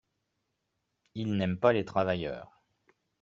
Ils n’aiment pas les travailleurs.